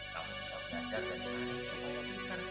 kamu bisa menyadarkan sarit juga banyak pinter